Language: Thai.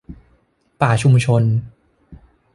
ป่าชุมชน